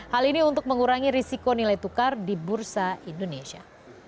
hal ini untuk mengurangi risiko nilai tukar di bursa indonesia